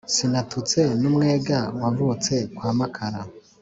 Sinatutse n'Umwega wavutse kwa Makara